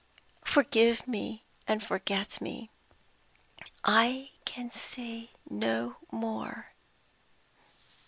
Forgive me and forget me. I can say no more!"